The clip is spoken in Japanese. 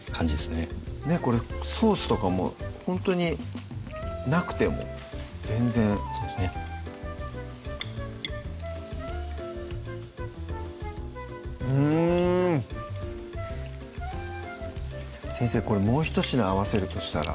ねっこれソースとかもほんとになくても全然うん先生これもうひと品合わせるとしたら？